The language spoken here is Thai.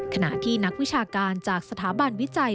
ขณะที่นักวิชาการจากสถาบันวิจัย